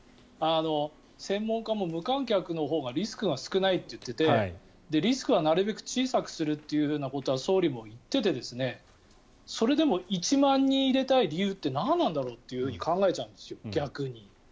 専門家も無観客のほうがリスクが少ないと言っていてリスクはなるべく小さくするっていうふうなことは総理も言っていてそれでも１万人入れたい理由って何なんだろうって逆に考えちゃうんです。